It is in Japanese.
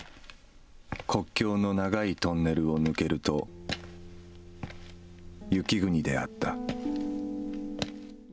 国境の長いトンネルを抜けると、雪国であった。